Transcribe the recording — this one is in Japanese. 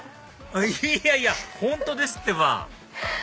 いやいや本当ですってば！